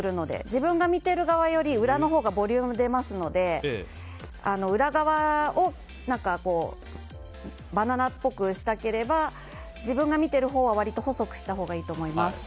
自分が見ている側より裏のほうがボリューム出ますので裏側をバナナっぽくしたければ自分が見ているほうは割と細くしたほうがいいと思います。